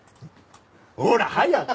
ほら早く！